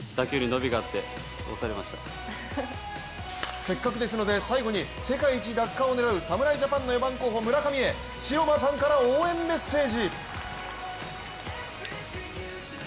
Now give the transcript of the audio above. せっかくですので最後に世界一奪還を狙う侍ジャパンの４番候補・村上へ城間さんから応援メッセージ！